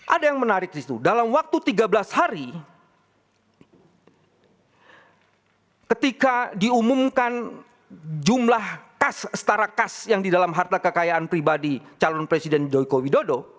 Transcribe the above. ada yang menarik di situ dalam waktu tiga belas hari ketika diumumkan jumlah setara kas yang di dalam harta kekayaan pribadi calon presiden jokowi dodo